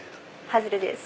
外れです。